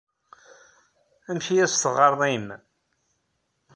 Amek ay as-teɣɣareḍ i yemma-m?